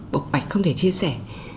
bộc bạch không thể chia sẻ